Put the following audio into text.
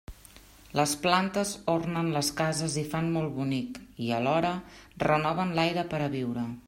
Les plantes ornen les cases i fan molt bonic i, alhora, renoven l'aire per a viure.